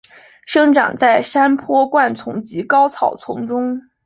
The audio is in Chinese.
生长在山坡灌丛及高草丛中。